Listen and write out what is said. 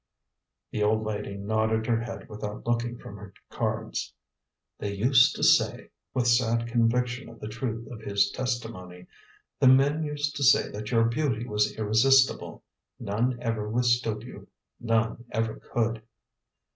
The old lady nodded her head without looking from her cards. "They used to say," with sad conviction of the truth of his testimony "the men used to say that your beauty was irresistible. None ever withstood you. None ever could."